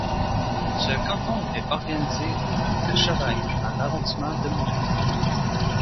Ce canton était organisé autour de Chevagnes dans l'arrondissement de Moulins.